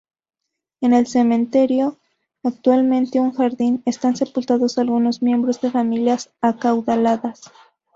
En el cementerio, actualmente un jardín, están sepultados algunos miembros de familias acaudaladas.